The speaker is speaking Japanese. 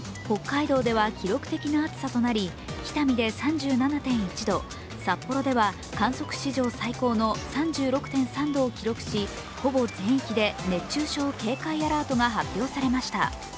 北見で３７．１度、札幌では観測史上最高の３６．３度を記録しほぼ全域で熱中症警戒アラートが発表されました。